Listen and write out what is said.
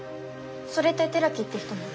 それって寺木って人も？